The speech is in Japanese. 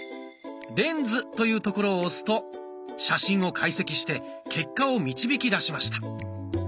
「レンズ」というところを押すと写真を解析して結果を導きだしました。